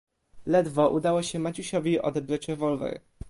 "Ledwo udało się Maciusiowi odebrać rewolwer."